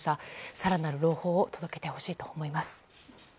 更なる朗報を届けてほしいと思います。